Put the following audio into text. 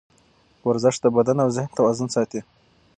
ورزش د بدن او ذهن توازن ساتي.